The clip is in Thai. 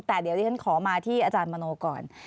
แต่เดี๋ยวที่ฉันขอมาที่อาจารย์มโนก่อน